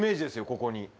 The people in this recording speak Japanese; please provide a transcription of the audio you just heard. ここに。